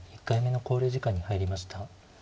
１回目の考慮時間に入りました。